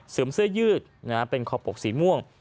เสื่อมเสื้อยืดเป็นขอบปกสีม่วง